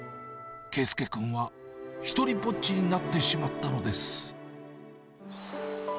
佳祐君は独りぼっちになってしまったのです。